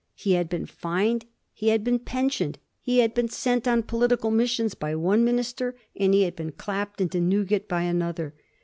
He had been fined; he had been pensioned; he had been sent on political missions by one minister, and he had been clapped into Newgate by another.